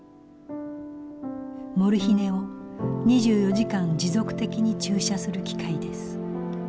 モルヒネを２４時間持続的に注射する機械です。